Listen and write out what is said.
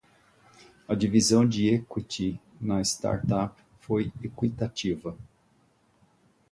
A divisão de equity na startup foi equitativa.